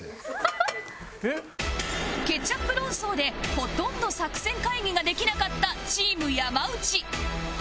ケチャップ論争でほとんど作戦会議ができなかったチーム山内